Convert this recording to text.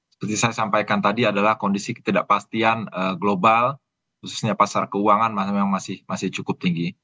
seperti saya sampaikan tadi adalah kondisi ketidakpastian global khususnya pasar keuangan memang masih cukup tinggi